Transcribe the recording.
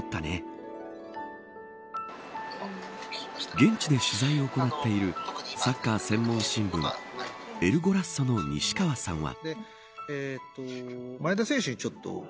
現地で取材を行っているサッカー専門新聞エル・ゴラッソの西川さんは。